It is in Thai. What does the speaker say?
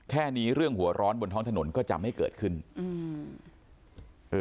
แค่นี้เรื่องหัวร้อนบนท้องถนนก็จะไม่เกิดขึ้นอืมเออ